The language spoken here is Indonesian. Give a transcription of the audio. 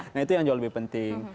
nah itu yang jauh lebih penting